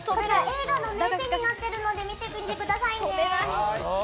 映画の名シーンになっているので見てくださいね。